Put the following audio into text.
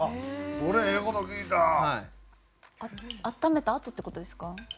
あっためたあとって事ですか？